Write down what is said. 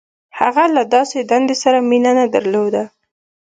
• هغه له داسې دندې سره مینه نهدرلوده.